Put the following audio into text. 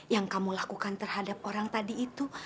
yang kamu lakukan terhadap orang tadi itu